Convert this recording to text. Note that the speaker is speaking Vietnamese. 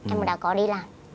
em đã có đi làm